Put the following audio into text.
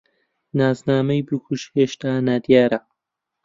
ناسنامەی بکوژ هێشتا نادیارە.